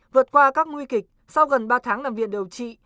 vượt qua các nguy kịch sau gần ba tháng làm viện điều trị